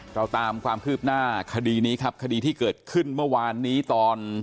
เราตามความคืบหน้าคดีนี้ครับคดีที่เกิดขึ้นเมื่อวานนี้ตอน